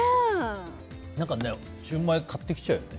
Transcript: シューマイ買ってきちゃうよね。